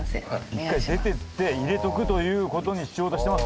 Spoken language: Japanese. １回出ていって入れておくという事にしようとしてますね。